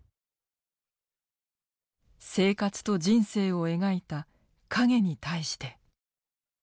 「生活と人生」を描いた「影に対して」。